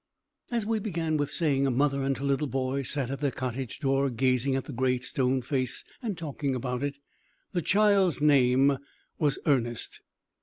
As we began with saying, a mother and her little boy sat at their cottage door, gazing at the Great Stone Face, and talking about it. The child's name was Ernest.